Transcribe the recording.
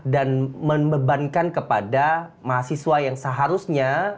dan membebankan kepada mahasiswa yang seharusnya